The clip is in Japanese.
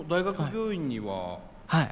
はい。